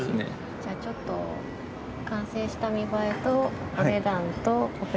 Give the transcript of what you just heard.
じゃあちょっと完成した見栄えとお値段とオペレーションと。